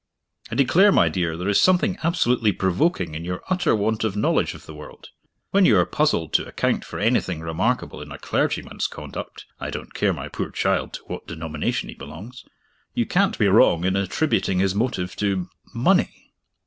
"I declare, my dear, there is something absolutely provoking in your utter want of knowledge of the world! When you are puzzled to account for anything remarkable in a clergyman's conduct (I don't care, my poor child, to what denomination he belongs) you can't be wrong in attributing his motive to Money.